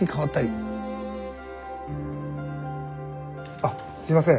あっすいません